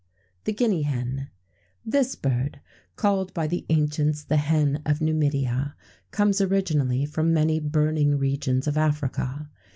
[XVII 97] THE GUINEA HEN. This bird, called by the ancients the "Hen of Numidia," comes originally from many burning regions of Africa.